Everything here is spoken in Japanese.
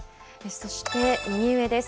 そして、右上です。